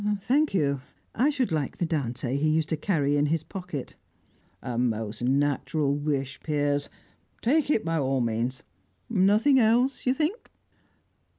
"Thank you. I should like the Dante he used to carry in his pocket." "A most natural wish, Piers. Take it by all means. Nothing else, you think?"